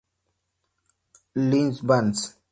Les Vans